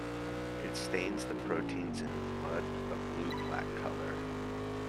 It stains the proteins in blood a blue-black color.